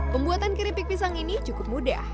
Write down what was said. pembuatan keripik pisang ini cukup mudah